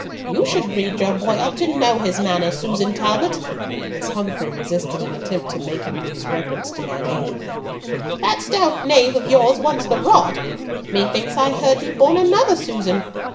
You should breed your boy up to know his manners, Susan Talbot," as Humfrey resisted an attempt to make him do his reverence to my lady; "that stout knave of yours wants the rod. Methought I heard you'd borne another, Susan!